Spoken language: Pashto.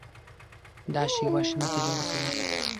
دا شیوه ښه نتیجه ورکوي.